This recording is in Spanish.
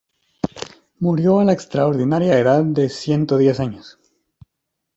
Murió a la extraordinaria edad de ciento diez años.